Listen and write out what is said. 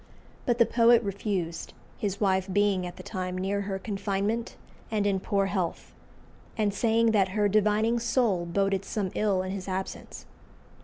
But the poet refused, his wife being at the time near her confinement and in poor health, and saying that "her divining soul boded some ill in his absence."